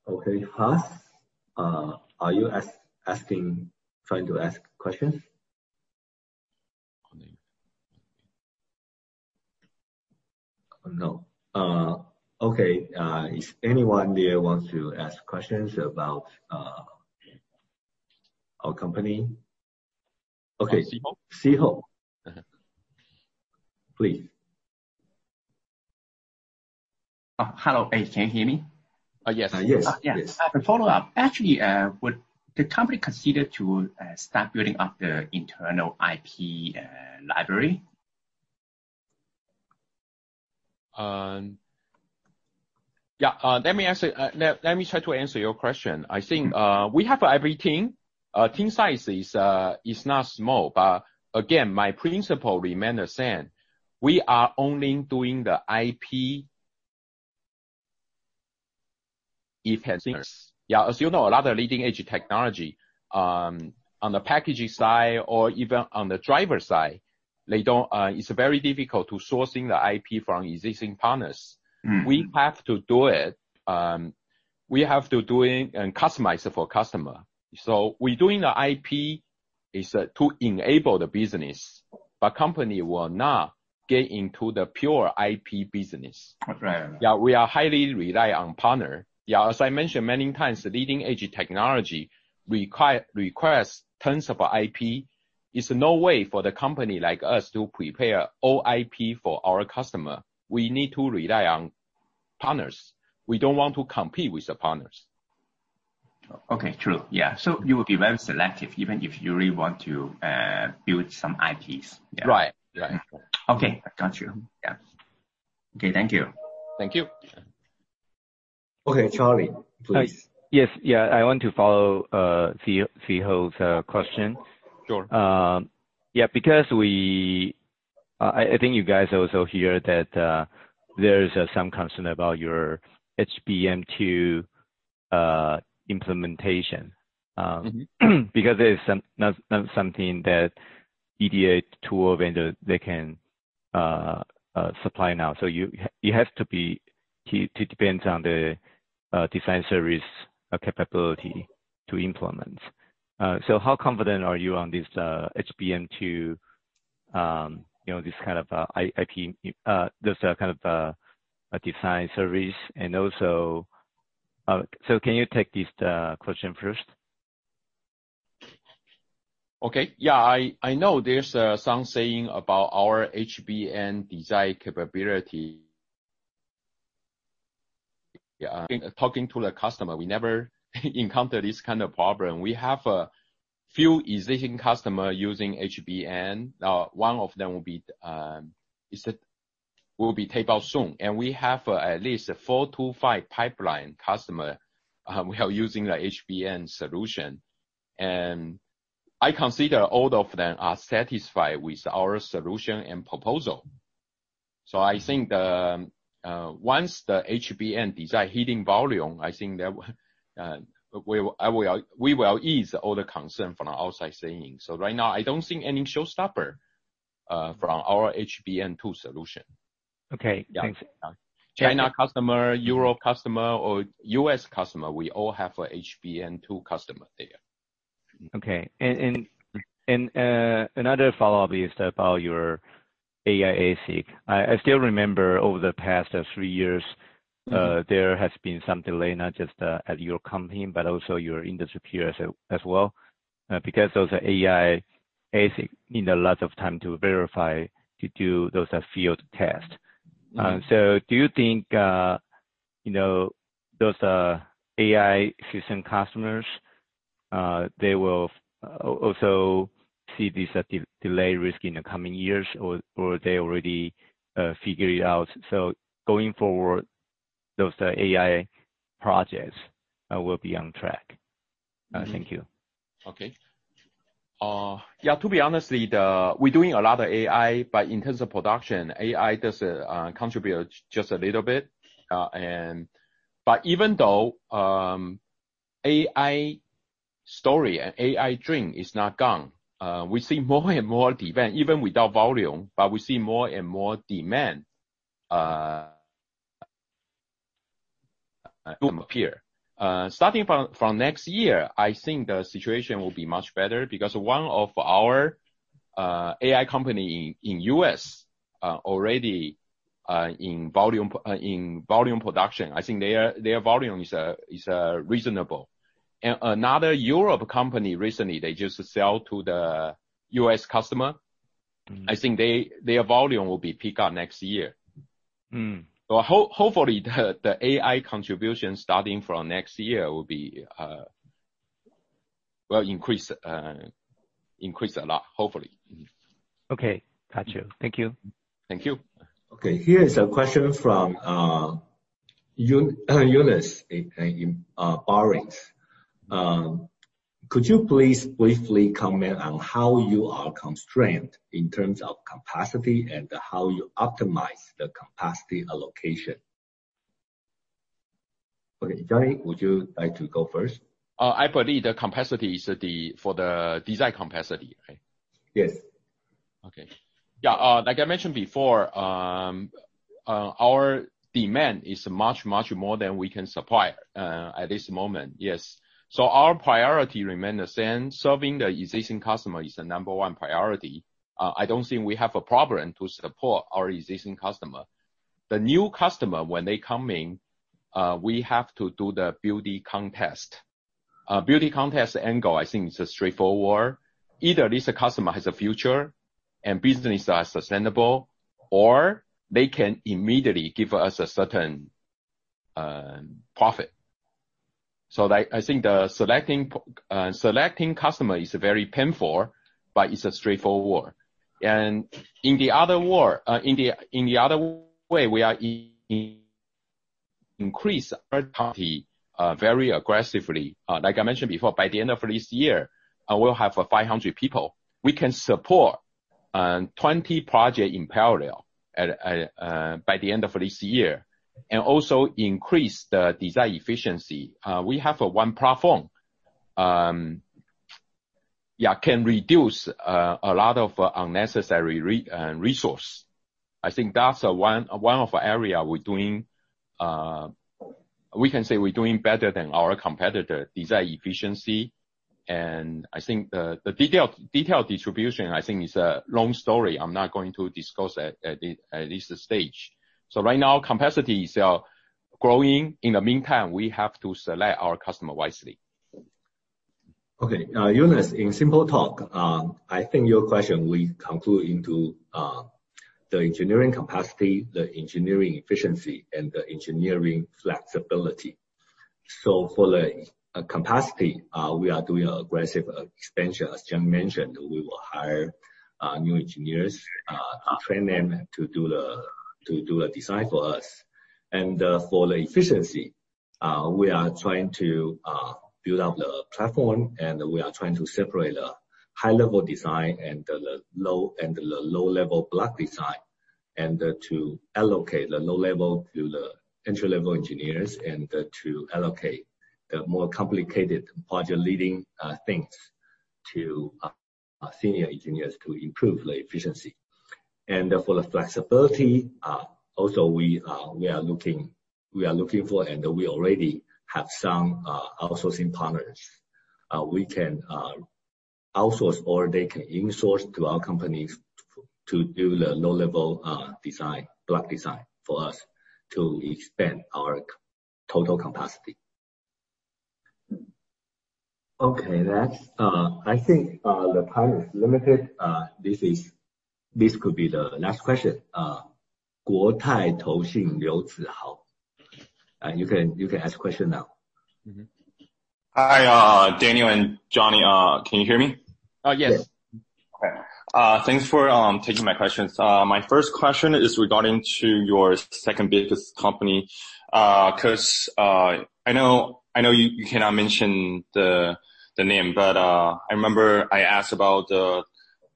Okay, Haas, are you trying to ask questions? No. Okay, is anyone here wants to ask questions about our company? Okay. Szeho Ng. Szeho Ng. Please. Hello. Can you hear me? Yes. Yes. Yes. I have a follow-up. Actually, would the company consider to start building up the internal IP library? Yeah. Let me try to answer your question. I think we have everything. Team size is not small, but again, my principle remains the same. We are only doing the IP. As you know, a lot of leading-edge technology on the packaging side or even on the driver side, it's very difficult to sourcing the IP from existing partners. We have to do it, and customize it for customer. We're doing the IP is to enable the business, but company will not get into the pure IP business. Okay. Yeah. We are highly rely on partner. As I mentioned many times, leading-edge technology requires tons of IP. It's no way for the company like us to prepare all IP for our customer. We need to rely on partners. We don't want to compete with the partners. Okay. True. Yeah. You will be very selective even if you really want to build some IPs. Yeah. Right. Okay. Got you. Yeah. Okay, thank you. Thank you. Okay, Charlie, please. Yes. I want to follow Szeho's question. Sure. Yeah, because I think you guys also hear that there is some concern about your HBM2 implementation. That is not something that EDA tool vendor, they can supply now. It depends on the design service capability to implement. How confident are you on this HBM2, this kind of IP, this kind of design service and also can you take this question first? Okay. Yeah, I know there's some saying about our HBM design capability. Talking to the customer, we never encounter this kind of problem. We have a few existing customer using HBM. Now, one of them will be taped out soon. We have at least four to five pipeline customer who are using the HBM solution. I consider all of them are satisfied with our solution and proposal. I think once the HBM design hitting volume, I think that we will ease all the concern from the outside saying. Right now, I don't think any showstopper from our HBM2 solution. Okay, thanks. China customer, Euro customer, or U.S. customer, we all have HBM2 customer there. Okay. Another follow-up is about your AI ASIC. I still remember over the past three years, there has been some delay, not just at your company, but also your industry peers as well, because those AI ASIC need a lot of time to verify to do those field test. Do you think those AI system customers, they will also see this delay risk in the coming years, or they already figured it out? Going forward, those AI projects will be on track. Thank you. Okay. To be honest, we're doing a lot of AI, but in terms of production, AI does contribute just a little bit. Even though AI story and AI dream is not gone, we see more and more demand, even without volume, but we see more and more demand appear. Starting from next year, I think the situation will be much better because one of our AI company in U.S. already in volume production. I think their volume is reasonable. Another Europe company, recently, they just sell to the U.S. customer. I think their volume will be peak out next year. Hopefully, the AI contribution starting from next year will increase a lot, hopefully. Okay. Got you. Thank you. Thank you. Okay. Here is a question from Eunice Baritz. Could you please briefly comment on how you are constrained in terms of capacity and how you optimize the capacity allocation? Okay, Johnny, would you like to go first? I believe the capacity is for the design capacity, right? Yes. Okay. Like I mentioned before, our demand is much, much more than we can supply at this moment. Our priority remains the same. Serving the existing customer is the number one priority. I don't think we have a problem to support our existing customer. The new customer, when they come in, we have to do the beauty contest angle, I think it's straightforward. Either this customer has a future and business is sustainable, or they can immediately give us a certain profit. I think selecting customer is very painful, but it's straightforward. In the other way, we are increasing our capacity very aggressively. Like I mentioned before, by the end of this year, we'll have 500 people. We can support 20 projects in parallel by the end of this year, and also increase the design efficiency. We have one platform that can reduce a lot of unnecessary resource. I think that's one of the areas we can say we're doing better than our competitor, design efficiency, and I think the detailed distribution is a long story. I'm not going to discuss at this stage. Right now capacity is growing. In the meantime, we have to select our customer wisely. Eunice, in simple talk, I think your question will conclude into the engineering capacity, the engineering efficiency, and the engineering flexibility. For the capacity, we are doing aggressive expansion. As Johnny mentioned, we will hire new engineers, train them to do the design for us. For the efficiency, we are trying to build out the platform, and we are trying to separate the high-level design and the low-level block design, and to allocate the low level to the entry-level engineers and to allocate the more complicated project leading things to senior engineers to improve the efficiency. For the flexibility, also we are looking for and we already have some outsourcing partners. We can outsource or they can insource to our company to do the low-level block design for us to expand our total capacity. I think the time is limited. This could be the last question. Guotai Junan Liu Zihao. You can ask the question now. Hi, Daniel and Johnny. Can you hear me? Yes. Yes. Okay. Thanks for taking my questions. My first question is regarding to your second-biggest company. I know you cannot mention the name, but I remember I asked about the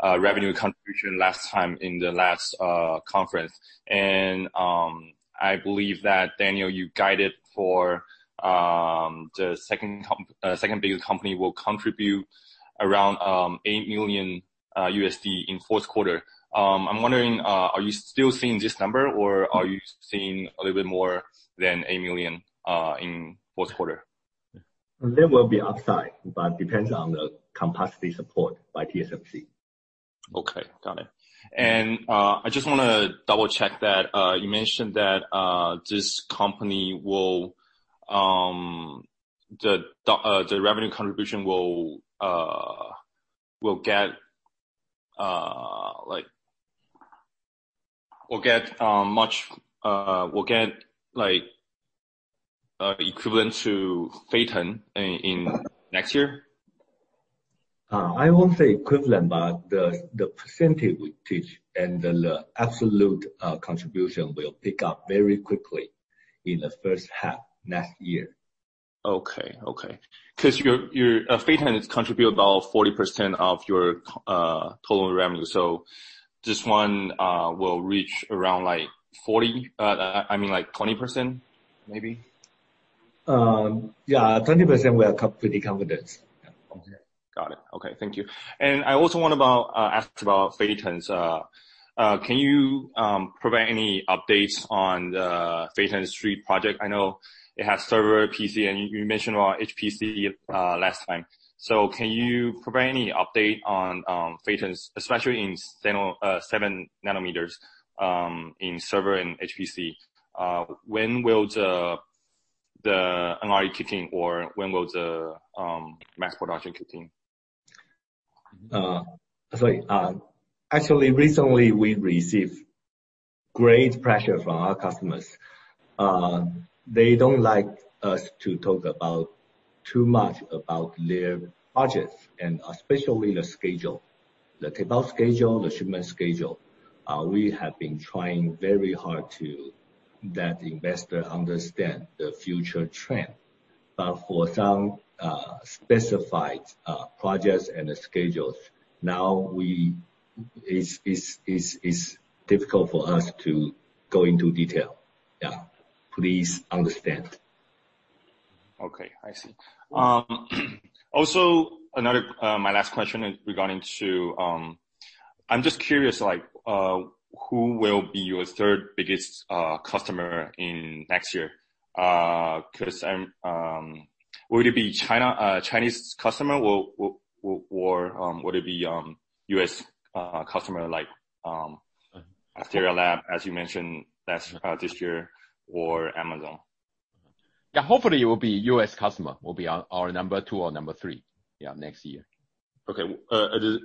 revenue contribution last time in the last conference. I believe that, Daniel, you guided for the second-biggest company will contribute around $8 million in the fourth quarter. I'm wondering, are you still seeing this number, or are you seeing a little bit more than $8 million in the fourth quarter? There will be upside, but depends on the capacity support by TSMC. Okay. Got it. I just want to double-check that you mentioned that the revenue contribution will get equivalent to Phytium in next year? I won't say equivalent, but the percentage we reach and the absolute contribution will pick up very quickly in the first half of next year. Okay. Phytium has contributed about 40% of your total revenue. This one will reach around 40%, I mean, 20%, maybe? Yeah, 20% we are pretty confident. Yeah. Okay. Got it. Okay. Thank you. I also want to ask about Phytium's. Can you provide any updates on the Phytium three project? I know it has server, PC, and you mentioned about HPC last time. Can you provide any update on Phytium, especially in 7 nm in server and HPC? When will the NRE kick in, or when will the mass production kick in? Sorry. Actually, recently we received great pressure from our customers. They don't like us to talk too much about their budgets and especially the schedule, the tape-out schedule, the shipment schedule. We have been trying very hard to let investors understand the future trend. For some specified projects and schedules, now it's difficult for us to go into detail. Please understand. Okay. I see. My last question regarding to I'm just curious, who will be your third-biggest customer next year? Would it be a Chinese customer, or would it be a U.S. customer like Astera Labs, as you mentioned this year, or Amazon? Yeah, hopefully it will be U.S. customer will be our number two or number three next year. Okay.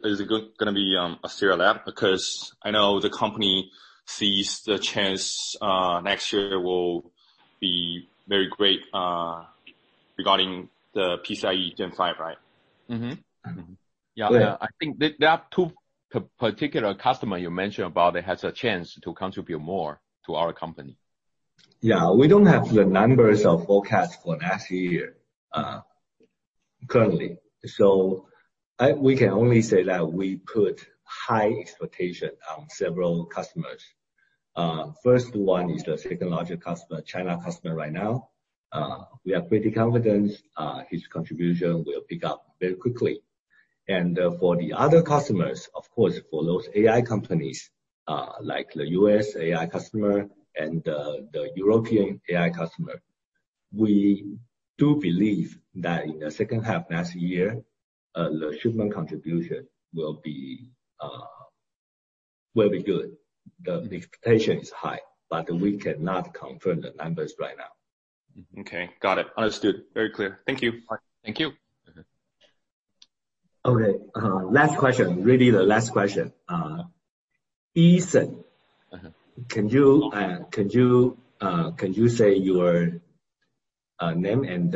Is it going to be Astera Labs? I know the company sees the chance next year will be very great regarding the PCIe Gen 5, right? Yeah. I think there are two particular customer you mentioned about that has a chance to contribute more to our company. Yeah. We don't have the numbers of forecast for next year currently. We can only say that we put high expectation on several customers. First one is the second largest customer, China customer right now. We are pretty confident his contribution will pick up very quickly. For the other customers, of course, for those AI companies, like the U.S. AI customer and the European AI customer, we do believe that in the second half next year, the shipment contribution will be good. The expectation is high, we cannot confirm the numbers right now. Okay. Got it. Understood. Very clear. Thank you. Thank you. Okay. Last question. Really the last question. Soon. Can you say your name and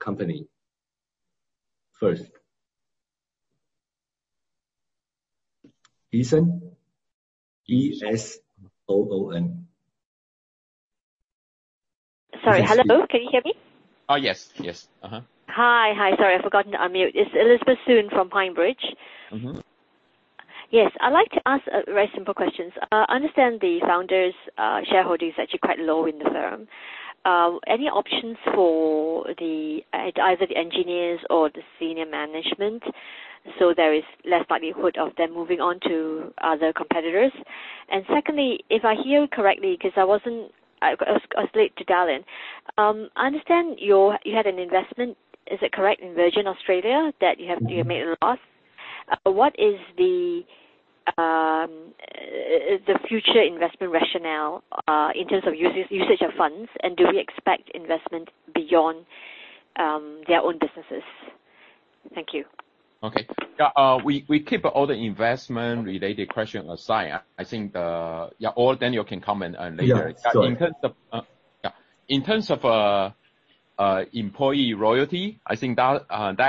company first? Esoon? E-S-O-O-N. Sorry. Hello both. Can you hear me? Oh, yes. Hi. Sorry, I forgot to unmute. It's Elizabeth Soon from PineBridge. Yes, I'd like to ask very simple questions. I understand the founder's shareholding is actually quite low in the firm. Any options for either the engineers or the senior management, so there is less likelihood of them moving on to other competitors? Secondly, if I hear correctly, because I was late to dial in. I understand you had an investment, is it correct, in Virgin Australia, that you have made a loss? What is the future investment rationale in terms of usage of funds, and do we expect investment beyond their own businesses? Thank you. Okay. We keep all the investment-related question aside. I think, or Daniel can comment on later. Yeah. In terms of employee loyalty, I think that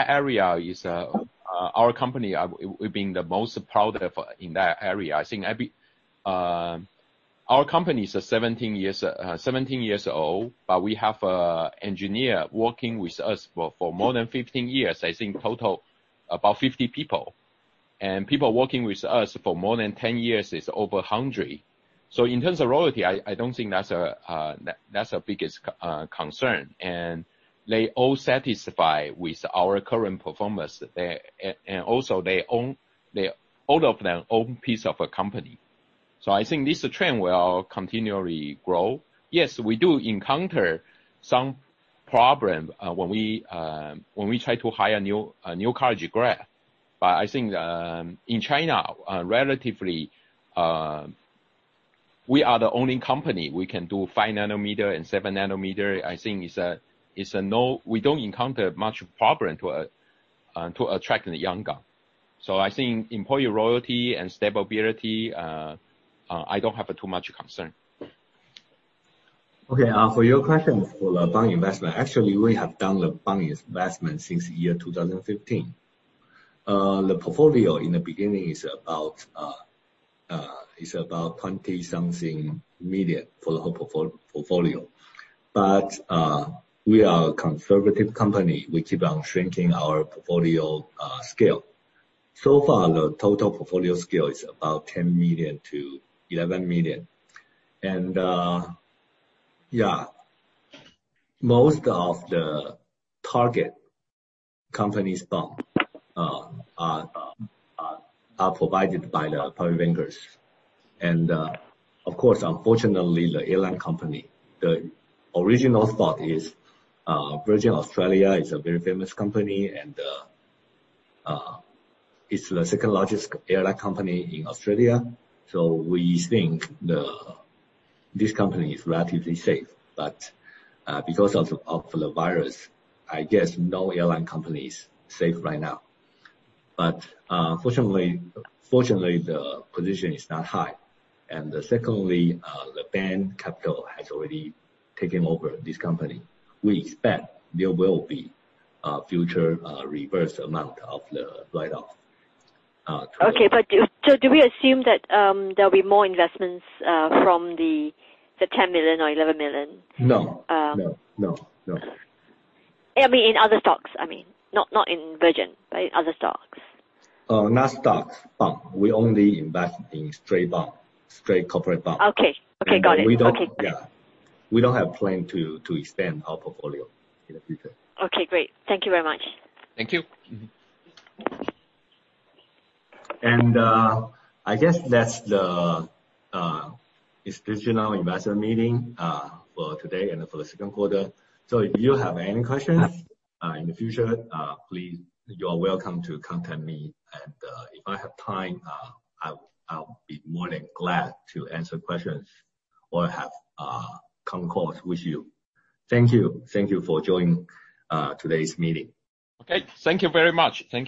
area is our company, we've been the most proud of in that area. Our company is 17 years old, we have engineer working with us for more than 15 years, I think total about 50 people. People working with us for more than 10 years is over 100. In terms of loyalty, I don't think that's the biggest concern. They all satisfy with our current performance. Also, all of them own piece of a company. I think this trend will continually grow. Yes, we do encounter some problem when we try to hire new college grad. I think, in China, relatively, we are the only company. We can do 5 nm and 7. I think we don't encounter much problem to attract the young guy. I think employee loyalty and stability, I don't have too much concern. Okay. For your question for the bond investment, actually, we have done the bond investment since year 2015. The portfolio in the beginning is about $20 million for the whole portfolio. We are a conservative company. We keep on shrinking our portfolio scale. Far, the total portfolio scale is about $10 million to $11 million. Yeah, most of the target companies bond are provided by the private bankers. Of course, unfortunately, the airline company, the original stock is Virgin Australia. It's a very famous company, and it's the second largest airline company in Australia. We think this company is relatively safe. Because of the virus, I guess no airline company is safe right now. Fortunately, the position is not high. Secondly, the Bain Capital has already taken over this company. We expect there will be future reverse amount of the write-off. Okay. Do we assume that there'll be more investments from the $10 million-$1 million? No. I mean, in other stocks. Not in Virgin, but in other stocks. Not stocks, bond. We only invest in straight bond, straight corporate bond. Okay. Got it. Okay. Yeah. We don't have plan to extend our portfolio in the future. Okay, great. Thank you very much. Thank you. Mm-hmm. I guess that's the institutional investor meeting for today and for the second quarter. If you have any questions in the future, please, you are welcome to contact me. If I have time, I'll be more than glad to answer questions or have discourse with you. Thank you. Thank you for joining today's meeting. Okay. Thank you very much. Thank you.